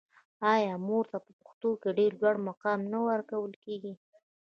آیا مور ته په پښتنو کې ډیر لوړ مقام نه ورکول کیږي؟